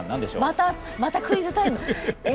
またまたクイズタイム？え！